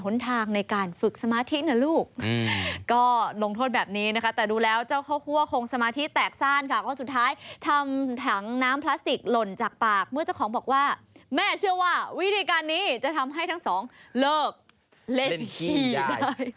เมื่อเจ้าของบอกว่าแม่เชื่อว่าวิธีการนี้จะทำให้ทั้งสองโลกเล่นขี้ได้